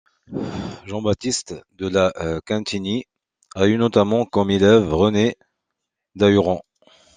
Jean-Baptiste de La Quintinie a eu notamment comme élève René Dahuron.